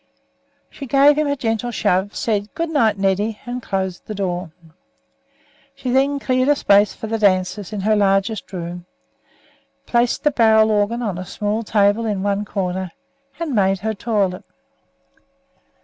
She gave him a gentle shove, said "Good night, Neddy," and closed the door. She then cleared a space for the dancers in her largest room, placed the barrel organ on a small table in one corner, and made her toilet.